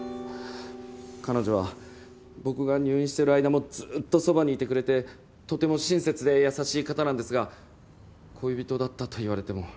彼女は僕が入院してる間もずっとそばにいてくれてとても親切で優しい方なんですが恋人だったと言われても。